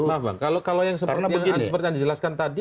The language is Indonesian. maaf bang kalau yang seperti yang dijelaskan tadi